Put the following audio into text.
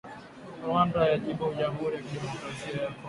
Rwanda yajibu Jamhuri ya Kidemokrasia ya Kongo